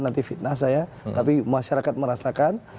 nanti fitnah saya tapi masyarakat merasakan